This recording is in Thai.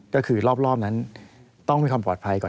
ก็คือรอบนั้นต้องมีความปลอดภัยก่อน